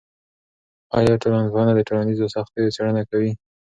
آیا ټولنپوهنه د ټولنیزو سختیو څیړنه کوي؟